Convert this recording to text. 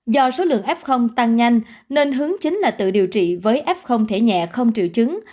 do số lượng f tăng nhanh nên hướng chính là tự điều trị với f thể nhẹ không triệu chứng